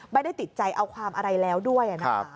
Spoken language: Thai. ไม่ได้ติดใจเอาความอะไรแล้วด้วยนะคะ